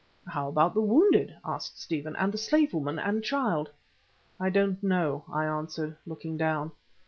"How about the wounded," asked Stephen, "and the slave woman and child?" "I don't know," I answered, looking down.